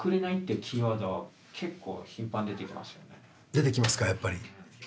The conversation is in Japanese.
出てきますかやっぱり。